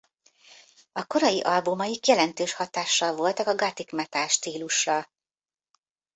A korai albumaik jelentős hatással voltak a gothic metal stílusra.